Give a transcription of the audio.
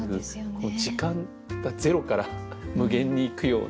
時間がゼロから無限にいくような。